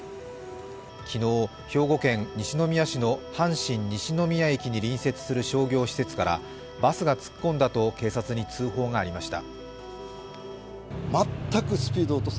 昨日、兵庫県西宮市の阪神西宮駅に隣接する商業施設からバスが突っ込んだと警察に通報がありました。